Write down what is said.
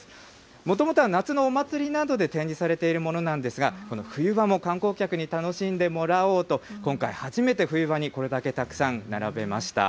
もともとは夏のお祭りなどで展示されているものなんですが、この冬場も観光客に楽しんでもらおうと、今回、初めて冬場にこれだけたくさん並べました。